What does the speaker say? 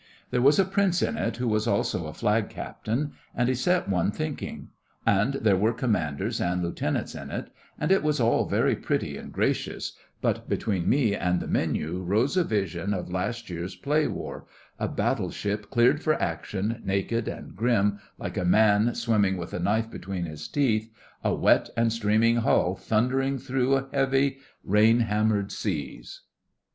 There was a Prince in it who was also a Flag Captain, and he set one thinking; and there were Commanders and Lieutenants in it, and it was all very pretty and gracious; but between me and the menu rose a vision of last year's play war—a battleship cleared for action, naked and grim, like a man swimming with a knife between his teeth—a wet and streaming hull thundering through heavy, rain hammered seas.